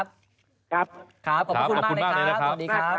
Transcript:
ขอบคุณมากเลยครับ